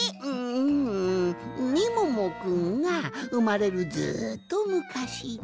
んみももくんがうまれるずっとむかしじゃ。